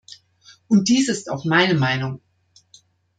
Und dies ist auch meine Meinung.